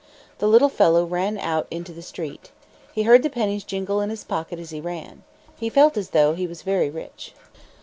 The little fellow ran out into the street. He heard the pennies jingle in his pocket as he ran. He felt as though he was very rich.